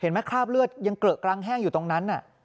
เห็นไหมคราบเลือดยังเกลือกรางแห้งอยู่ตรงนั้นน่ะ